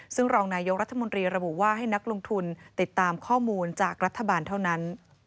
ซึ่งรองนายกรัฐมนตรีระบุว่าให้นักลงทุนติดตามข้อมูลจากรัฐบาลเท่านั้น